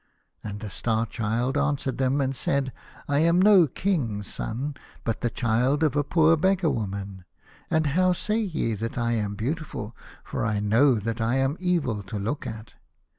o And the Star Child answered them and said, " I am no king's son, but the child of a poor beggar woman. And how say ye that I am beautiful, for I know that I am evil to look at